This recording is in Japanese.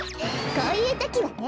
こういうときはね！